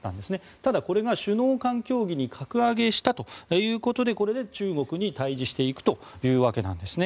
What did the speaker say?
ただ、これが首脳間協議に格上げしたということでこれで中国に対峙していくというわけなんですね。